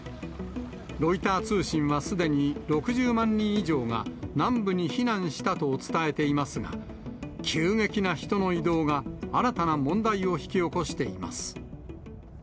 ロイター通信はすでに６０万人以上が南部に避難したと伝えていますが、急激な人の移動が新たな問題を引き起こしています。